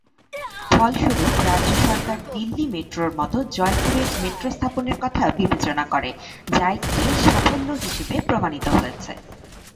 ফলস্বরূপ, রাজ্য সরকার দিল্লি মেট্রোর মতো জয়পুরের মেট্রো স্থাপনের কথা বিবেচনা করে, যা একটি সাফল্য হিসেবে প্রমাণিত হয়েছে।